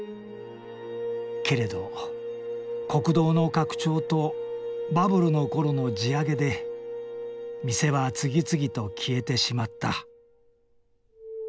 けれど国道の拡張とバブルの頃の地上げで店は次々と消えてしまった。